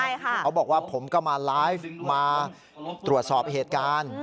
เขาบอกว่าผมก็มาไลฟ์มาตรวจสอบเหตุการณ์